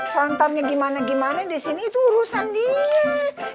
santarnya gimana gimana di sini itu urusan dia